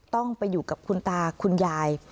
ต้องไปอยู่กับคุณตาคุณยาย